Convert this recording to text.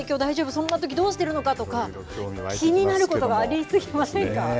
その時、どうしているのかとか気になることがありすぎませんか。